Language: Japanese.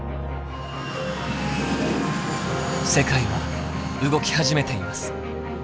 世界は動き始めています。